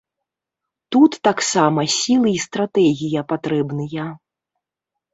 Тут таксама сілы і стратэгія патрэбныя.